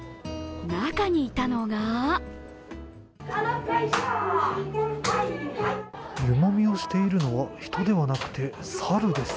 中にいたのが湯もみをしているのは人ではなくて猿です。